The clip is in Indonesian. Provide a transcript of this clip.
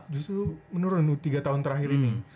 justru menurun tiga tahun terakhir ini